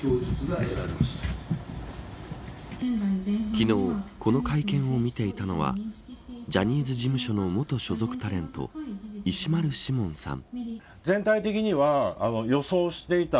昨日、この会見を見ていたのはジャニーズ事務所の元所属タレント石丸志門さん。